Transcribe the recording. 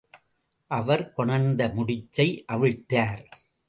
அவர் கொணர்ந்த முடிச்சை அவிழ்த்தார்.